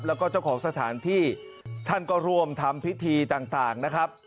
แล้วก็เจ้าของสถานที่ท่านก็ร่วมทำพิธีต่างนะครับ